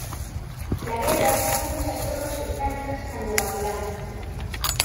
La guerra trajo muchas tropas británicas a Nueva Zelanda.